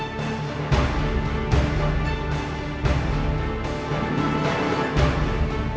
ค่ะ